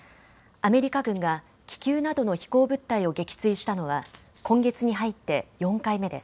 アメリカ軍が気球などの飛行物体を撃墜したのは今月に入って４回目です。